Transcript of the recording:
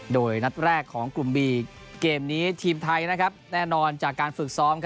โดยนัดแรกของกลุ่มบีเกมนี้ทีมไทยแน่นอนจากการฝึกซ้อม